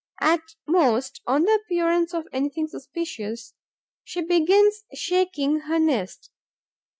At most, on the appearance of anything suspicious, she begins shaking her nest.